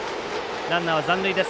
ランナーは残塁です。